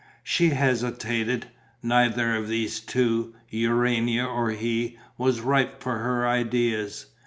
She hesitated. Neither of these two, Urania or he, was ripe for her ideas.